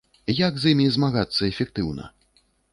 Як з імі змагацца эфектыўна?